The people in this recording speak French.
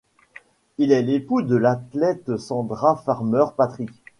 Il est l'époux de l'athlète Sandra Farmer-Patrick.